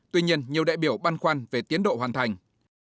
tuy nhiên nhiều đại biểu băn khoăn về tiến độ hoàn thành